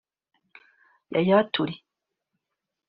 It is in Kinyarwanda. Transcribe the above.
Yaya Touré